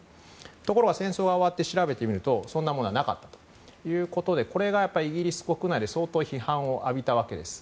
ところが戦争が終わって調べてみるとそんなものはなかったということでこれがイギリス国内で相当、批判を浴びたわけです。